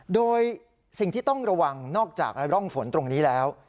โดยสิ่งที่ต้องระวังนอกจากร่องฝนตรงนี้แล้ว